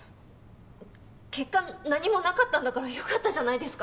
結果何もなかったんだから良かったじゃないですか。